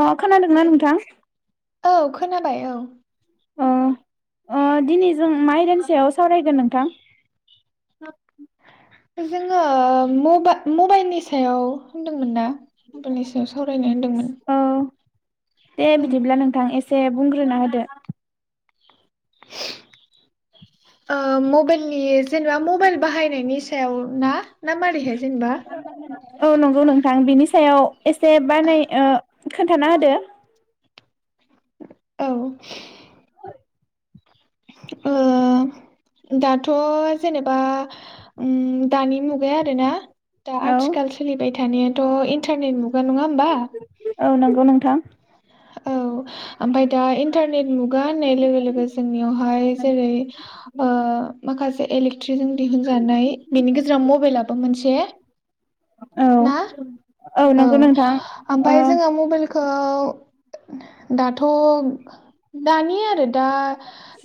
अ खोनादोंना नोंथां? औ खोनाबाय औ। अ दिनै जों मा आयदानि सायाव सावरायगोन नोंथां? जोङो मबा-मबाइलनि सायाव होनदोंमोन ना? [unintelligible] सायाव सावरायनो होनदोंमोन। औ दे ओं बिदिब्ला नोंथां एस दे बुंग्रोना होदो। ओ मबाइलनि जेनेबा मबाइल बाहायनायनि सायाव ना? ना मारैहाय जेनेबा औ नंगौ नोंथां बिनि सायाव एसे बानाय ओ खोन्थाना होदो। औ ओ दाथ' जेनेबा उम दानि मुगाया आरोना दा औ आथिखाल सोलिबाय थानायाथ' इन्टारनेट मुगा नङा होमबा? औ नंगौ नोंथां। औ ओमफाय दा इन्टारनेट मुगा होननाय लोगो लोगो जोंनियावहाय जेरै ओ माखासे एलिक ट्रि जों दिहुनजानाय बिनि गेजेराव मबाइलाबो मोनसे औ ना औ नंगौ नोंथां ओ ओमफ्राय जोङो मबाइलखौ खौ दाथ' दान नि आरो दा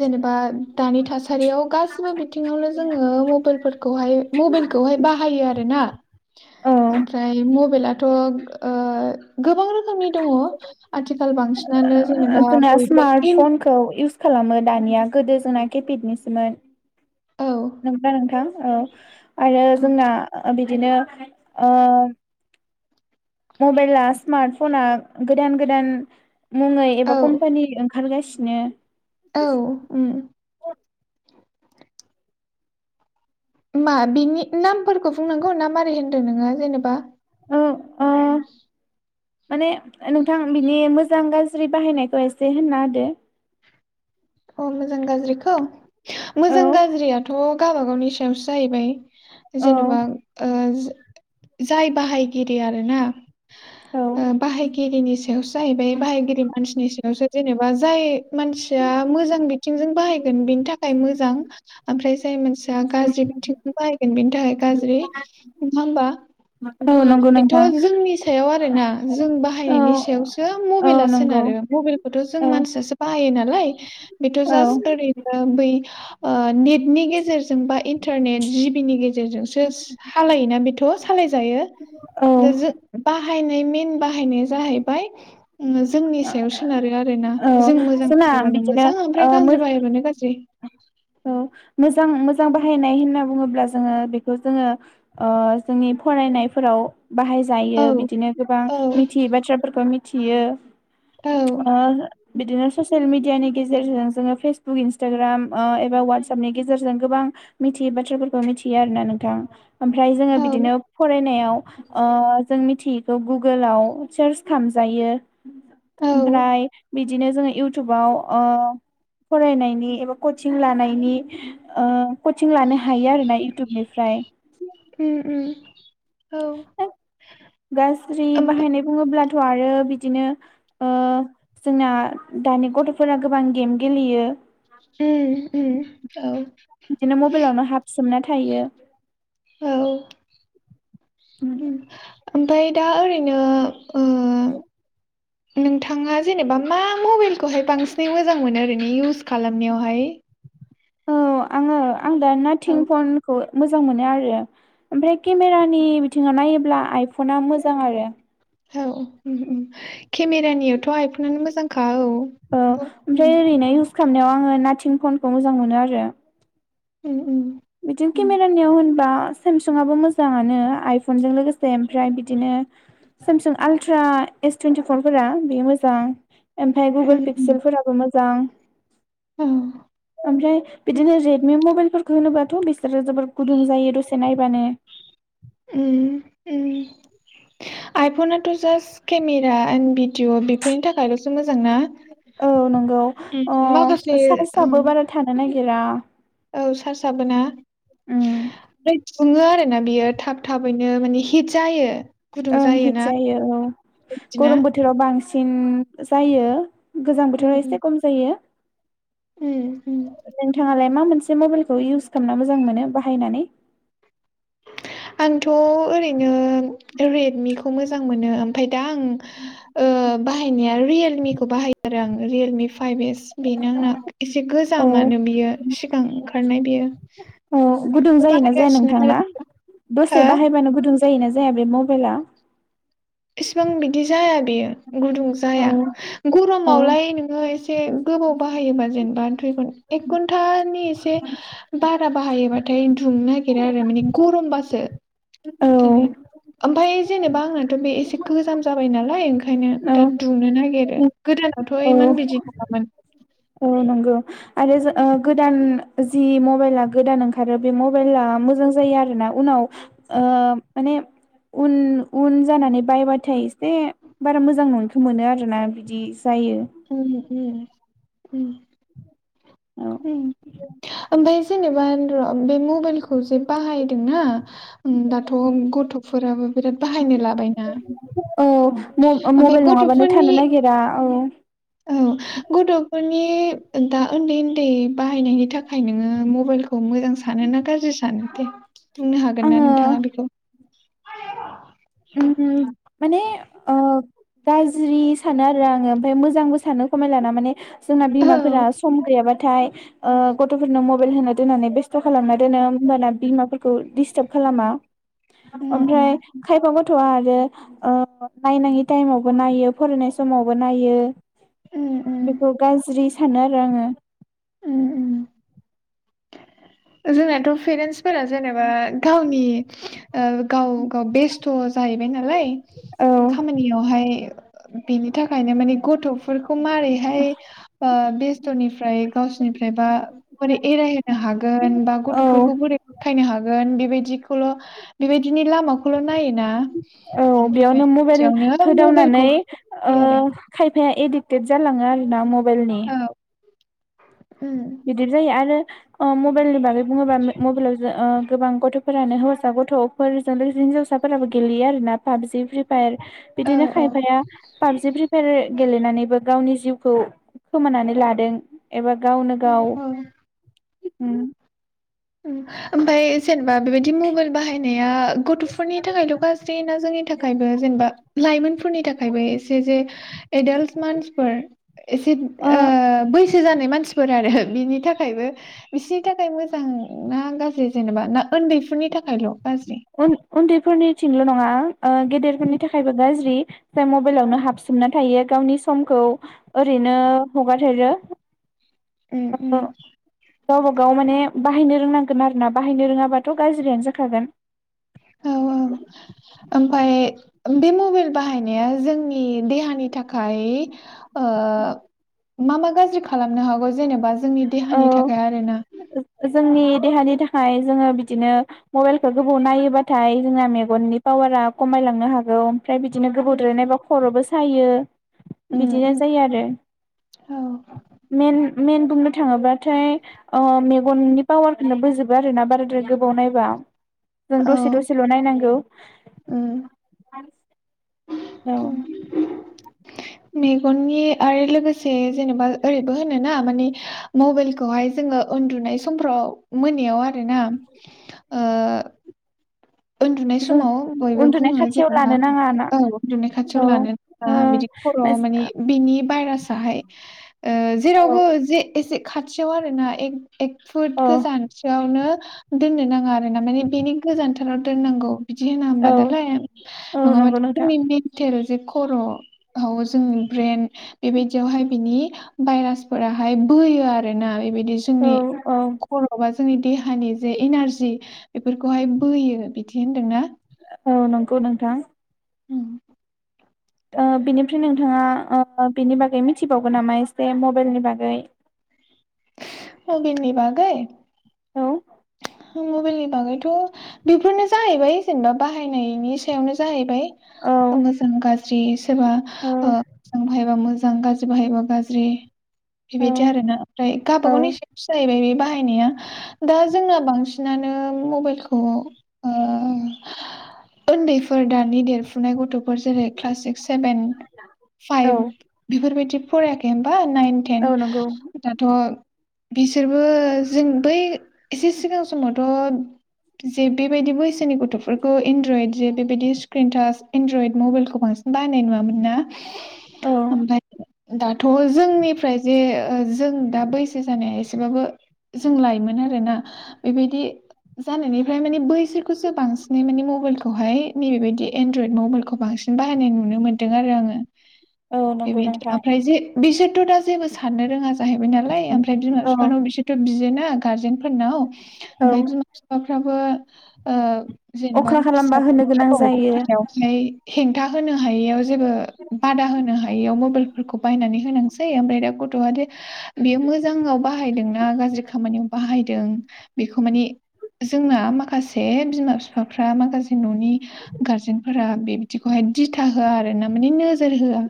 जेनेबा दानि थासारियाव गासिबो बिथिङावनो जोङो मबाइलफोरखौहाय मबाइलखौहाय बाहायो आरोना। औ ओमफ्राय मबाइला थ' ओ गोबां रोखोमनि दङ आथिखाल बांसिनानो जेनेबा जोंना बयबो स्मार्ट इन फनखौ इउस खालामो दानिया गोदो जोंना कीफेटनिसोमोन। औ नोंगौना नोंथां। औ आरो औ जोंना ओ बिदिनो ओ मबाइला स्मार्टफना गोदान गोदान मुङै औ एबा कम्पानि ओंखारगासिनो। औ उम मा बिनि नामफोरखौ बुंनांगौ ना मारै होनदों नोङो जेनेबा। ओ ओ माने नोंथां बिनि मोजां गाज्रि बाहायनायखौ एसे होनना होदो? अ मोजां गाज्रिखौ औ मोजां गाज्रियाथ' गावबागावनि सायावसो जाहैबाय। औ जेनेबा ओ [unintelligible] जाय बाहायगिरि आरोना औ ओ बाहायगिरिनि सायावसो जाहैबाय बाहायगिरि मानसिनि सायावसो जेनेबा जाय मानसिया मोजां बिथिंजों बाहायगोन बिनि थाखाय मोजां ओमफ्राय जाय मानसिया गाज्रि बिथिं बाहाय बेनि थाखाय गाज्रि नंआ होमबा। औ नंगौ ओ बेथ' नोंथां जोंनि सायाव आरोना जों औ बाहायनायनि सायावसो औ मबाइला नंगौ सोनारो मबाइलखौथ' जों औ मानसियासो बाहायो नालाय लाय बेथ' औ जास्ट ओरै बै ओ नेट नि गेजेरजों बा इन्टारनेट जिबिनि गेजेरजोंसो सालायोना बेथ' सालाय जायो। औ बाहायनाय मेन बाहायनाय जाहैबाय जोंनि सायाव सोनारो आरो ना औ जों मोजां जोंना जाह बिदिनो मोजां ओमफ्राय ओ मोज गाज्रि बायोबानो गाज्रि? [inaudible] औ म। मोजां मोजां बाहायनाय होनना बुङोब होमब्ला जोङो बेखौ जोङो जोंनि फरायनायफोराव बाहाय औ जायो बिदिनो गोबां औ मिथियै बाथ्राफोरखौ मिथियो। औ अ। बिदिनो ससियेल मिडियानि गेजेरजों जोङो फेसबुक इन्सटाग्राम एबा वाटसपनि गेजेरजों गोबां मिथियै बाथ्राफोरखौ मिथियो आर ना नोंथां ओमफ्राय जोङो औ बिदिनो फरायनायाव ओ जों मिथियैखौ गुगोलाव सार्च खालामजायो। औ ओमफ्राय बि बिदिनो जोङो इउटुबाव ओ फरायनायनि एबा कदचिं लानायनि ओ। कदचिं लानोहायो आरोना इउटुबनिफ्राय। उम [inaudible] गाज्रि ओमफ्राय बाहायनाय बुङोब्ला थ आरो बिदिनो ओह जोंना दानि गथफोरा गोबां गेम गेलेयो। उम। उम औ। बिदिनो मबाइललावनो हाबसोमना थायो। औ उम। ओमफाय दा ओरैनो ओ। [inaudible] नोंथाङा जेनेबा मा मबाइलखौहाय बांसिनै मोजांमोनो ओरैनो इउस खालामनायावहाय। औ आङो। आं दा औ नाथिं फनखौ। मोजां मोनोआरो ओमफ्राय केमेरानि बिथिङाव नायोब्ला आइफना मोजांआरो। औ औ उम उम केमेरानियावथ आइफनानो मोजांखा औ। औ उम ओमफ्राय ओरैनो इउस खालामनायाव आङो नाथिं फन खौ मोजां मोनो आरो। उम उम। सेमसंआबो मोजाङानो आइफनजों लोगोसे ओमफ्राय बिदिनो सेमसुं आलट्रा एस टुइन्टिफरफोरा बेयो मोजां। ओमफाय उम गुगोल पिक्सेलफोराबो मोज जां औ। ओमफ्राय बिदिनो रेडमि मबाइल फोरखो होनोबा थ बिसोरो जोबोर गुदुंजायो दसे नायबानो। उम उम। आइफना' जास्ट केमेरा आन्ड बि दिअ बेफोरनि थाखायलसो मोजांना औ नंगौ उम माखासे ओं रा औ सार्चआबोना उम सुङो आरोना बियो थाब थाबैनो माने हिटजायो। ओं हिटजायो औ बिदिना गरम बोथोराव बांसि न जायो। गोजां उम बोथोराव उम एसे कम जायो। उम उम नोंथाङालाय मा मोनसे मबाइलखौ इउस खालामना मोजांमोनो बाहायनानै। आंथ' ओरैनो रेट मि खौ मोजां मोनो ओमफाय दा आं ओ बाहायनाया रियेलमि खौ बाहायो आरो आं। रियेलमि फाइभ एस बेनो आंना एसे औ गोजामानो बियो सिगां ओंखारनाय बेयो औ गुदुं बेखौबो जायोना जाया बाहायगासिनो नोंथांना आरो दसे हो बाहायबानो गुदुं जा जायोना जाया बे मबाइला? इसिबां बिदि जाया बेयो। गुदुं औ जाया। औ गरमावलाय नोङो एसे गोबाव बाहायोबा जेनेबा दुइ घन एक घन्टानि एसे बारा बाहायोबाथाय दुंनो नागिरा आरो माने गरमबासो औ ओम ओमफाय जेनेबा आंङो थ' बे एसे गोजाम जाबाय नालाय ओंखायनो औ दा दुंनो नागिरो गोदानावथ' औ इमान बिदि नङामोन। औ नंगौ आरो जो ओ गोदान जि मबाइला गोदान ओंखारो बे मबाइला मोजां जायो आरोना उनाव ओ माने उन उन जानानै बायबाथाय एसे बारा मोजां नङैखौ मोनो आरोना बिदि जायो। [unintelligible] उम औ ओमफाय जेनेबा ओ बे मुबेल खौ जे बाहायदोंना दाथ' गथ'फोराबो बिराद बाहायनो लाबायना औ ओ म मबाइल ओमफाय नङाबानो थानो गथ'फोरनि नागिरा औ औ गथ'फोर नि दा उन्दै उन्दै बाहायनायनि थाखाय नोङो मबाइल खौ मोजां सानो ना गाज्रि सानो? दे बुंनो हागोन ना आङो नोंथाङा बेखौ? [unintelligible] उम माने ओ गाज्रि सानो आरो आङो ओमफ्राय मोजांबो सानो खमाय लाना माने जोंना बिमाफोरा सम गैयाबा थाय ओ गथ'फोरनो मबाइल होनो दोननानै बेस थ खालामना दोनो होमबाना बिमाफोरखौ दिस्टाब खालामा। उम ओमफ्राय उम खायबा गथ'आ आरो ओ नायनाङि टाइमावबो नायो फरायनाय समावबो नायो। उम उम बेखौ गाज्रि सानो आरो आङो। [inaudible] उम उम जोंनाथ' पेरेन्टसफोरा जेनेबा गावनि ओ गाव - गाव बेस्थ' जाहैबाय नालाय औ खामानियावहाय। बेनि थाखायनो माने गथ'फोरखौ मारैहाय ओ बे स्थ निफ्राय गावसोरनिफ्राय बा बोरै एरायहोनो हा गोनबा औ गथ'फोरखौ बोरैखायनो हागोन बेदिखौल' बेबायदिनि लामाखौल नायोना औ ओमफ्राय बेयावनो मबाइल बिदियावनो होदावनानै मबाइलखौ ओ होयो आरो खाय फाया एडिक्टेड जालाङो आरो ना म बेलनि। औ उम बिदि जायो आरो अ मबाइलनि बागै बुङोबा मबाइलाव जो ओ गोबां गथ'फोरानो हौवासा गथ फोरजों लोगोसे हिनजावसाफोराबो गेलेयो आरोना पाबजि फ्रि फायार। औ बिदिनो खायफाया पाबजि प्रिफयार गेलेनानैबो गावनि जिउखौ खोमानानै लादों एबा गावनो गाव औ उम उम ओमफ्राय जे नेबा बेबायाददि मबाइल बाहायनाया गथ'फोरनि थाखायल गाज्रि ना जोंनि थाखायबो जेनेबा लाइमोनफोरनि थाखायबो एसे जे एदाल्ट मानसिफोर एसेब ओ आ बैसो जानाय मानसि फोर आरो बिनि थाखायबो बिसनि थाखाय मोजां ना गाज्रि जेनेबा ना उन्दैफोरनि थाखायल'? गाज्रि उन उन्दैफोरनिथिंल' नङा। ओ उम गेदेरफोरनि थाखायबो गाज्रि। फ्राय मबाइलावनो हाबसोमना थायो गावनि समखौ ओरैनो हगारहरो। उम गावब गाव माने बाहायनो रोंनांगोन आरोना बाहायनो रोङाबाथ' गाज्रियानो जाखागोन औ औ ओमफफ्राय बे मबाइल बाहायनाया जोंनि देहानि थाखाय मा मा गाज्रि खालामनो हागौ जेनेबा जोंनि औ देहानि थाखाय आरोना जोंनि देहानि थाखाय जोङो बिदिनो मबाइलखौ गोबाव नायोबाथाय जोंना मेगननि पावारा खमायलांनो हागौ ओमफ्राय बिदिनो उम गोबावद्राय नायबा खर'बो सायो बिदिनो उम जायो आरो औ मेन मेेन त [unintelligible] थाङोबाथाय मेगननि पावारनो बोजोबो आरो ना बाराद्राय गोबाव नायबा जों दसे दसेल' नायनांगौ ओम [inaudible] औ मेगननि आरो लोगोसे जेनेबा ओरैबो होन ना मानिे मबाइलखौहाय जोङो उन्दुनाय समफ्राव मोनायाव आरो ना उन्दुनाय जों समाव बयबो उन्दुनाय बुङो खाथियाव जेनेबा लानो नाङा ना औ उन्दुनाय औ खाथियाव लानो ओ नाङा बिनि खर' मानिे बिनि बायर साहाय ओ जेरावबो जे एसे खाथियाव आरो ना ए एक फुट औ औ गोजानसोआवनो दोननो नाङा आ रो ना माने बेनि गोजोन दोननांगौ बिदि होना होमबा औ दालाय औ नङाबा नंगौ नोंथां जोंनि मेन्थेल जे खर' जोंनि ब्रेन बेबायदियावहाय बिनि भाइरास फोराहाय बोहोयो आरोना। बेबायदि औ जोंनि औ खर'आ जोंनि देहानि जे इनारजि बेफोरखौहाय बोहोयो बिदि होन्दोंना? औ नंगौ नोंथां। उम बिनिफ्राय नोंथाङा बिनि बागै मिथिबावगोन नामा एसे मबाइलनि बागै? मबाइलनि बागै? औ मबाइलनि बागैथ' बेफोरनो जाहैबाय जेनेबा बाहायनायनि सायावनो जाहैबाय। औ मोजां गाज्रि सोरबा औ [unintelligible] मोजां गाज्रि बाहायबा गाज्रि औ बेबायदि आरोना ओमफ्राय औ गावबागावनि सायावसो जाहैबाय बे बाहायनाया दा जोंना बांसिनानो मबाइलखौ उन्दैफोर दानि देरफुनाय गथ' फोर जेरै क्लास सिक्स, सेभेन, औ फाइभ बिफोर बायदि फरायाखै होम बा नाइन तेन औ नंगौ दाथ' बिसोरबो जों बै एसे सिगां समावथ' जे बेबायदि बैसोनि गथ'फोरखौ एनड्रयद जे बेबायदि स्क्रिनटाच एनड्रयद मबाइलखौ बांसिन बाहायनाय नुवा मोन ना औ ओमफ्राय दाथ' जोंनिफ्राय जे जों दा बैसो जानाया एसेबाबो जों लायोमोन आरोना। बेबायदि जानायनिफ्राय माने बैसोरखौसो बांसिनै माने मबाइलखौहाय नै बेबायदि एनड्रयद मबाइलखौ बांसिन बाहायनाय नुनो मोन्दों आरो आङो। औ नंगौ बेबायदि नोंथां ओमफ्राय जे बिसोरथ' दा जेबो साननो रोङा जाहैबाय नालाय ओमफ्राय बिमा औ बिफानाव बिसोरथ' बियोेना। गारजेन फोरनाव औ ओमफ्राय बिमा बिफाफ्राबो ओ जेनेबा अख्रा खालामबा होनो गोनां जायो [unintelligible] हेंथा होनो हायियाव जेबो बादा होनो हायि याव मबाइलफोरखौ बायनानै होनांसै ओमफ्राय दा गथ'आ दे बेयो मोजाङाव बाहायदों गाज्रि खामानियाव बाहाय दों बे माने जोंना माखासे बिमा बिफ्रा माखासे न'नि गारजेनफोरा बे बिदिखौहाय दिथा होआ आरो ना माने नोजोर होआ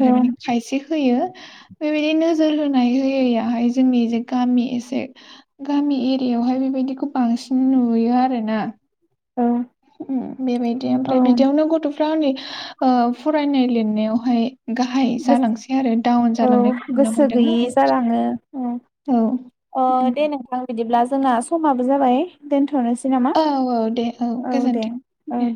औ माने खायसे होयो बेबायदि नोजोर होनाय होयैयाहाय जोंनि जे गामि एसे गामि एरियायावहाय बेबायदिखौ बांसिन नुयो आरोना औ बेबायदि औ ओमफ्राय बिदियावनो गथ' फ्रा ओ फरायनाय लिरनायावहाय गाहाय गोसो जालांसै आरो डाउन औ जालांनायखौ नुनो गोसो मोनदों गैयि जालाङो औ अ दे नोंथां बिदिब्ला जोंना समाबो जाबाय दोनथ'नोसै नामा औ औ दे औ गोजोन्थों दे